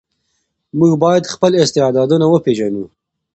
موږ باید خپل استعدادونه وپېژنو.